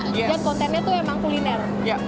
dan kontennya tuh emang kuliner